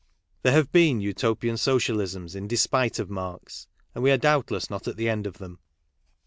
There Have been Utopian socialisms in despite of Marx; and we are doubtless not at the end of them.